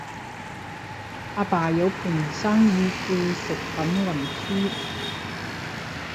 阿爸有盤生意做食品運輸